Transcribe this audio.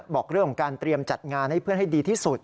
บอกเรื่องของการเตรียมจัดงานให้เพื่อนให้ดีที่สุด